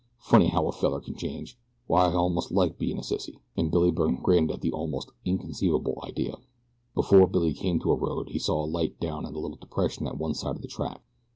Funny how a feller can change. Why I almost like bein' a sissy," and Billy Byrne grinned at the almost inconceivable idea. Before Billy came to a road he saw a light down in a little depression at one side of the track.